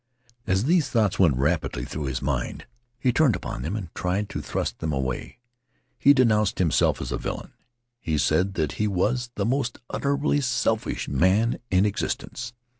As these thoughts went rapidly through his mind, he turned upon them and tried to thrust them away. He denounced himself as a villain. He said that he was the most unutterably selfish man in existence.